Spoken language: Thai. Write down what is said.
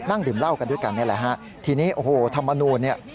นั่งดื่มเหล้ากันด้วยกันแหละฮะทีนี้โอโหธรรมนูนี่